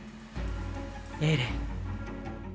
エレン。